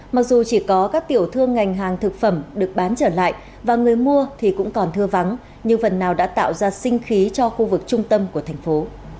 mặc dù chỉ có các tiểu thương ngành hàng thực phẩm được bán trở lại và người mua thì cũng còn thưa vắng nhưng phần nào đã tạo ra sinh khí cho khu vực trung tâm của thành phố